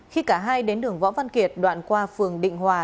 khi cả hai đến đường võ văn kiệt đoạn qua phường định hòa